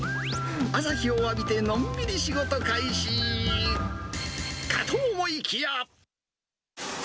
朝日を浴びてのんびり仕事開始、かと思いきや。